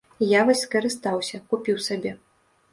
Я вось скарыстаўся, купіў сабе.